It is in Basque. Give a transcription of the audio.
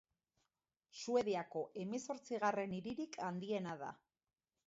Suediako hemezortzigarren hiririk handiena da.